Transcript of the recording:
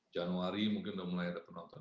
januari mungkin sudah mulai ada penonton